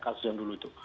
kasus yang dulu itu